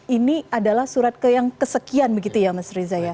ini adalah surat yang kesekian begitu ya mas rizaya